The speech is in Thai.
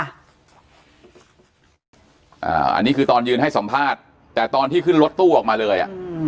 อันนี้คือตอนยืนให้สัมภาษณ์แต่ตอนที่ขึ้นรถตู้ออกมาเลย